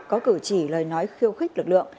có cử chỉ lời nói khiêu khích lực lượng